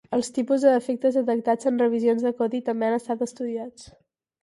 Els tipus de defectes detectats en revisions de codi també han estat estudiats.